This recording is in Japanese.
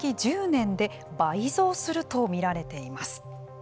１０年で倍増すると見られています。